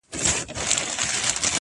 دا بېچاره به ښـايــي مــړ وي،